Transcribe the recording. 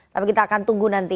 tapi kita akan tunggu nanti